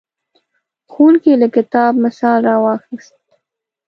ښوونکی له کتاب مثال راواخیست.